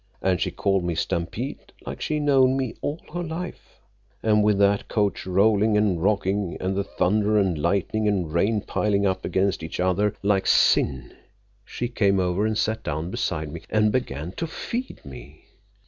An' she called me Stampede, like she'd known me all her life, and with that coach rolling an' rocking and the thunder an' lightning an' rain piling up against each other like sin, she came over and sat down beside me and began to feed me.